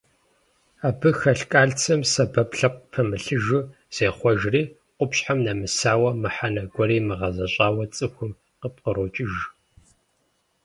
Абы хэлъ кальцийм сэбэп лъэпкъ пымылъыжу зехъуэжри, къупщхьэм нэмысауэ, мыхьэнэ гуэри имыгъэзэщӀауэ цӀыхум къыпкърокӀыж.